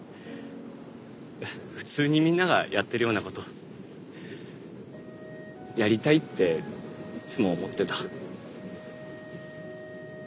フツーにみんながやってるようなことやりたいっていつも思ってた。